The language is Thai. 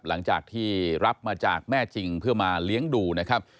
หลังจากที่รับมาจากแม่จริงเพื่อมาเลี้ยงดูนะครับ